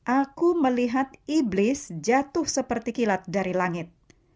aku melihat iblis jatuh seperti kilat dari langit